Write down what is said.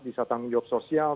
bisa tanggung jawab sosial